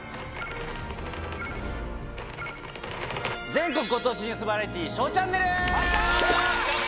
全国ご当地ニュースバラエティー『ＳＨＯＷチャンネル』！